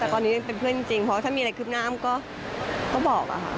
แต่ตอนนี้ยังเป็นเพื่อนจริงเพราะถ้ามีอะไรคืบหน้าก็บอกอะค่ะ